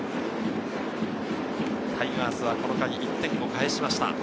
タイガースはこの回、１点を返しました。